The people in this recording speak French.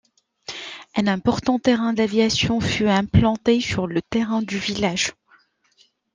Un important terrain d'aviation fut implanté sur le terrain du village.